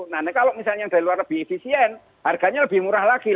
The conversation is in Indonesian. nah kalau misalnya yang dari luar lebih efisien harganya lebih murah lagi